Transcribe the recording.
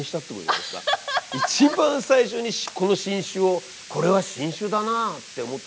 一番最初にこの新種をこれは新種だなって思ったのは。